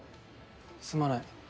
すまない。